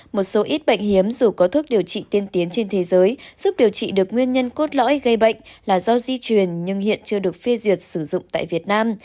một số ít bệnh hiếm dù có thuốc điều trị tiên tiến trên thế giới giúp điều trị được nguyên nhân cốt lõi gây bệnh là do di truyền nhưng hiện chưa được phê duyệt sử dụng tại việt nam